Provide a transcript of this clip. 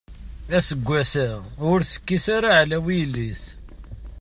Aseggas-a ur tekkis ara aɛlaw i yelli-s.